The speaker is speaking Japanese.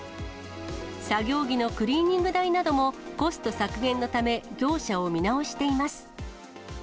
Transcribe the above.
作業着のクリーニング代なども、コスト削減のため、業者を見直しています。